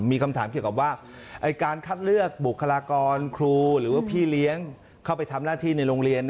มีคำถามเกี่ยวกับว่าการคัดเลือกบุคลากรครูหรือว่าพี่เลี้ยงเข้าไปทำหน้าที่ในโรงเรียน